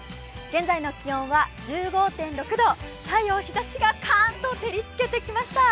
現在の気温は１５．６度、太陽、日ざしがカーンと照りつけてきました。